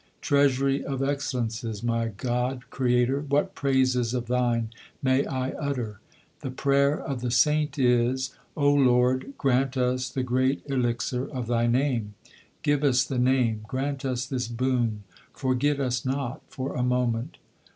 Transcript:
Treasury of excellences, my God, Creator, what praises of Thine may I utter ? The prayer of the saint is O Lord, grant us the great elixir of Thy name. Give us the Name ; grant us this boon, forget us not for a moment.